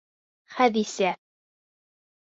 Хәҙисә!..